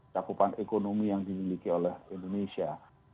cakupan ekonomi yang dimiliki oleh indonesia